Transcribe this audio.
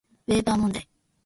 ウェーバー問題